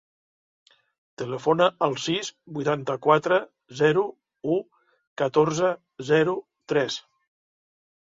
Telefona al sis, vuitanta-quatre, zero, u, catorze, zero, tres.